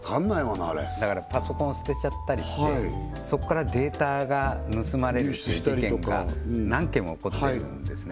なあれパソコンを捨てちゃったりしてそこからデータが盗まれる事件が何件も起こってるんですね